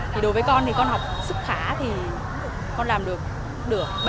thì đối với con thì con học sức khá thì con làm được được bảy mươi